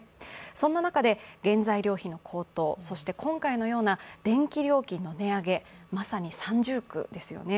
そんな中で、原材料費の高騰、そして今回のような電気料金の値上げ、まさに三重苦ですよね。